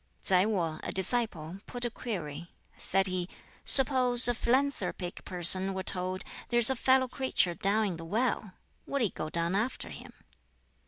Tsai Wo, a disciple, put a query. Said he, "Suppose a philanthropic person were told, 'There's a fellow creature down in the well!' Would he go down after him?"